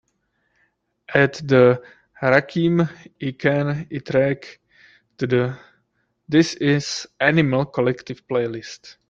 Add the Rakim y Ken Y track to the This Is Animal Collective playlist.